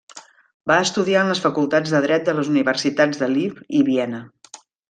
Va estudiar en les Facultats de Dret de les Universitats de Lviv i Viena.